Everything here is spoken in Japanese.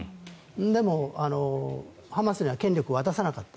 でもハマスには権力を渡さなかった。